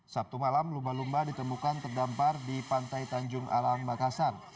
sabtu malam lumba lumba ditemukan terdampar di pantai tanjung alang makassar